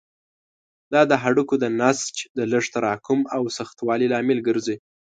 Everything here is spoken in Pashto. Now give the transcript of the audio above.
دا د هډوکو د نسج د لږ تراکم او سختوالي لامل ګرځي.